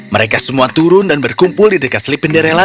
mereka semua turun dan berkumpul di dekat slipinderella